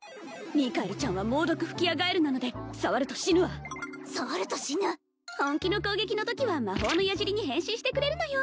ミカエルちゃんはモウドクフキヤガエルなので触ると死ぬわ触ると死ぬ本気の攻撃のときは魔法の矢じりに変身してくれるのよ